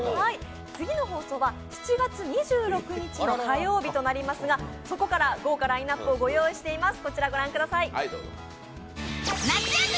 次の放送は７月２６日の火曜日となりますがそこから豪華ラインナップをご用意しています。